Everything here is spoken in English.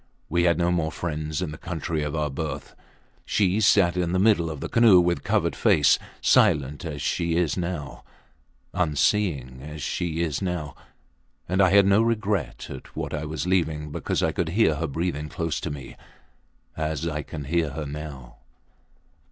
We had no more friends in the country of our birth. She sat in the middle of the canoe with covered face; silent as she is now; unseeing as she is now and I had no regret at what I was leaving because I could hear her breathing close to me as I can hear her now.